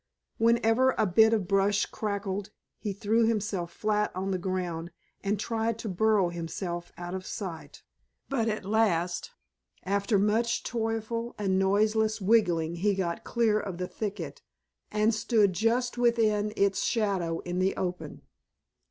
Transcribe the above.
Whenever a bit of brush crackled he threw himself flat on the ground and tried to burrow himself out of sight. But at last, after much toilful and noiseless wriggling he got clear of the thicket and stood just within its shadow in the open.